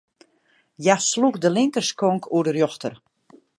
Hja sloech de linkerskonk oer de rjochter.